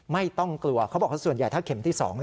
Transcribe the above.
ไม่ต้องกลัวเขาบอกว่าส่วนใหญ่ถ้าเข็มที่๒